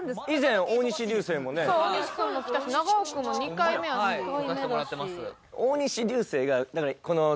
そう大西君も来たし長尾君も２回目やし。